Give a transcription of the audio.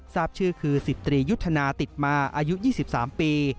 ทราบชื่อคือ๑๐ตรียุทธนาติดมาอายุ๒๓ปี